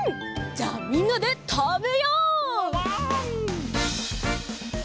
じゃあみんなでたべよう！わわん！